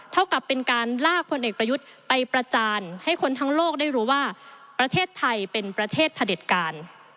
เท่ากับเป็นการลากพลเอกประยุทธ์ไปประจานให้คนทั้งโลกได้รู้ว่าประเทศไทยเป็นประเทศพระเด็จการ